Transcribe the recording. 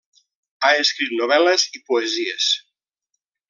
Ha escrit novel·les i poesies.